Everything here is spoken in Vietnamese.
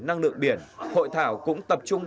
năng lượng biển hội thảo cũng tập trung